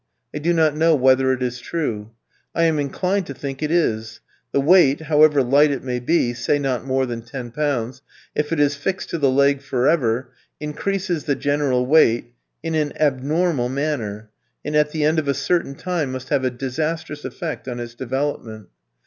I do not know whether it is true. I am inclined to think it is; the weight, however light it may be (say not more than ten pounds), if it is fixed to the leg for ever, increases the general weight in an abnormal manner, and at the end of a certain time must have a disastrous effect on its development.